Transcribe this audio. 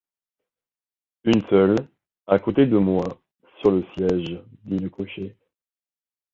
Une seule, à côté de moi, sur le siège, dit le cocher.